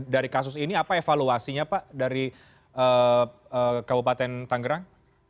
dari kasus ini apa evaluasinya pak dari kabupaten tangerang